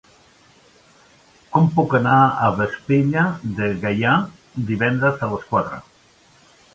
Com puc anar a Vespella de Gaià divendres a les quatre?